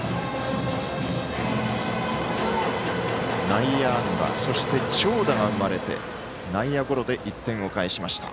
内野安打、そして長打が生まれて内野ゴロで１点を返しました。